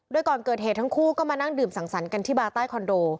โดยก่อนเกิดเหตุทั้งคู่ก็มานั่งดื่มสังสรรค์กันที่บาร์ใต้คอนโด